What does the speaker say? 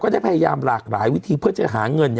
จำลากหลายวิธีเพื่อจะหาเงิน